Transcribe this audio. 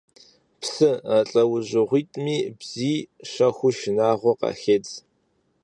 Псы лӀэужьыгъуитӀми бзий щэху шынагъуэ къахедз.